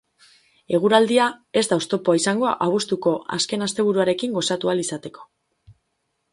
Eguraldia ez da oztopoa izango abuztuko azken asteburuarekin gozatu ahal izateko.